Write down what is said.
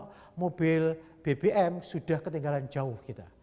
kalau mobil bbm sudah ketinggalan jauh kita